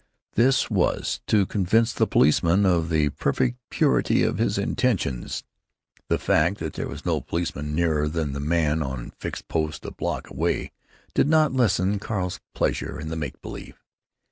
This was to convince the policeman of the perfect purity of his intentions. The fact that there was no policeman nearer than the man on fixed post a block away did not lessen Carl's pleasure in the make believe.